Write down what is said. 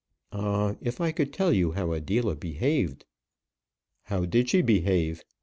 Ah! if I could tell you how Adela behaved!" "How did she behave?